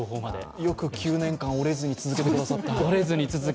よく９年間、折れずに続けてくださった。